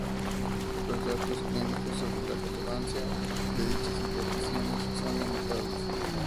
Los datos clínicos sobre la relevancia de dichas interacciones son limitados.